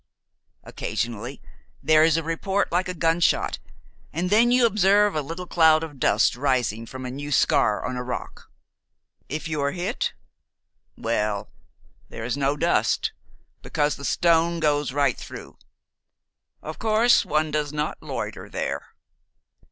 Occasionally there is a report like a gunshot, and then you observe a little cloud of dust rising from a new scar on a rock. If you are hit well, there is no dust, because the stone goes right through. Of course one does not loiter there."